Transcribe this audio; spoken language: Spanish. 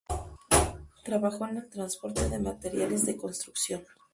Trabajó en el transporte de materiales de construcción.